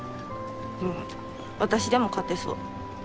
うん私でも勝てそう。